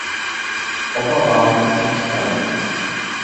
Oba válku přečkaly.